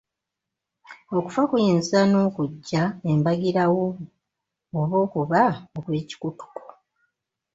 Okufa kuyinza n'okujja embagirawo oba okuba okw'ekikutuko